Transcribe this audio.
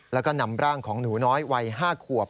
แล้วก็นำร่างของหนูน้อยวัย๕ขวบ